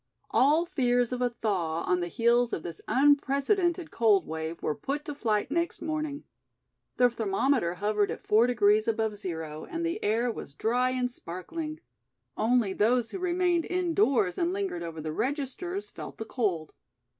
All fears of a thaw on the heels of this unprecedented cold wave were put to flight next morning. The thermometer hovered at four degrees above zero and the air was dry and sparkling. Only those who remained indoors and lingered over the registers felt the cold.